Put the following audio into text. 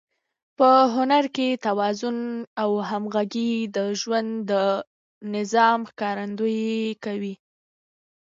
په هنر کې توازن او همغږي د ژوند د نظم ښکارندويي کوي.